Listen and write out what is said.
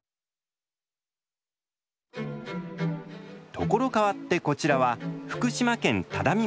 所変わってこちらは福島県只見町。